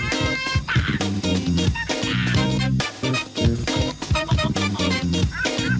กระแปลกระแปลก